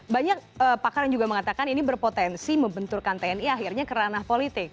banyak pakar yang juga mengatakan ini berpotensi membenturkan tni akhirnya ke ranah politik